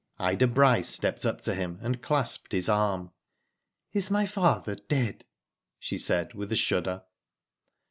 Ida Bryce stepped up to him and clasped his arm." "Is my father dead?" she said, with a shudder.